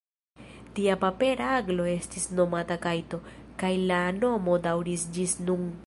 Tia papera aglo estis nomata kajto, kaj la nomo daŭris ĝis nun.